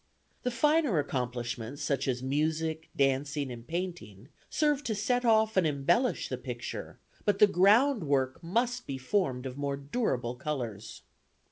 The finer accomplishments, such as music, dancing, and painting, serve to set off and embellish the picture; but the groundwork must be formed of more durable colors.